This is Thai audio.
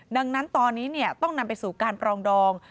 ดังนั้นตอนนี้ต้องนำไปสู่การปรองดอง